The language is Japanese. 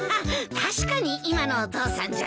確かに「今のお父さん」じゃないねえ。